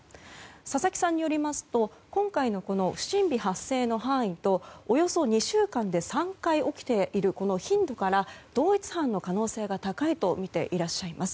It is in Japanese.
佐々木さんによりますと今回の不審火発生の範囲とおよそ２週間で３回起きているこの頻度から同一犯の可能性が高いとみていらっしゃいます。